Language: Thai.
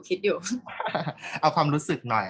กากตัวทำอะไรบ้างอยู่ตรงนี้คนเดียว